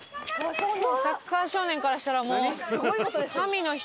サッカー少年からしたらもう神の人。